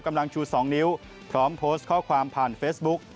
กำลังชู๒นิ้วพร้อมโพสต์ข้อความผ่านเฟซบุ๊ก